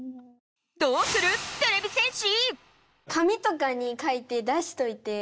どうするてれび戦士！